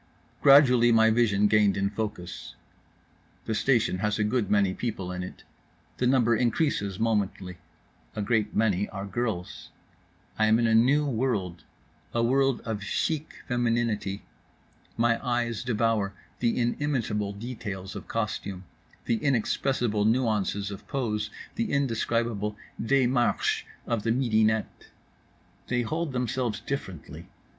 Gradually my vision gained in focus. The station has a good many people in it. The number increases momently. A great many are girls. I am in a new world—a world of chic femininity. My eyes devour the inimitable details of costume, the inexpressible nuances of pose, the indescribable démarche of the midinette. They hold themselves differently.